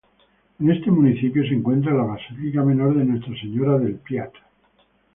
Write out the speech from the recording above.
En este municipio se encuentra la Basílica Menor de Nuestra Señora de Piat.